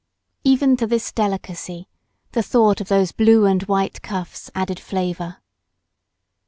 Even to this delicacy the thought of those blue and white cuffs added flavour.